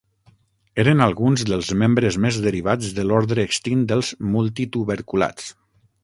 Eren alguns dels membres més derivats de l'ordre extint dels multituberculats.